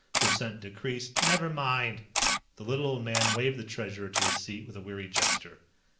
Percent decrease " "Never mind." The little old man waved the Treasurer to his seat with a weary gesture.